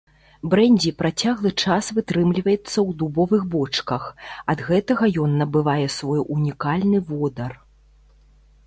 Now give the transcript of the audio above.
Брэндзі працяглы час вытрымліваецца ў дубовых бочках, ад гэтага ён набывае свой унікальны водар.